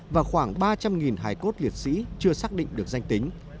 và khoảng ba trăm linh hải cốt liệt sĩ chưa xác định được danh tính